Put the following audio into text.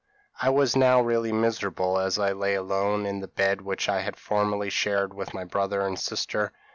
p> "I was now really miserable, as I lay alone in the bed which I had formerly shared with my brother and sister.